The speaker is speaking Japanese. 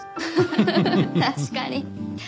確かに。